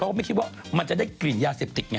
ก็ไม่คิดว่ามันจะได้กลิ่นยาเสพติดไง